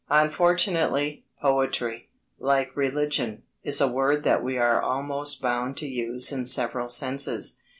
Unfortunately, "poetry," like "religion," is a word that we are almost bound to use in several senses.